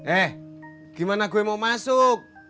eh gimana gue mau masuk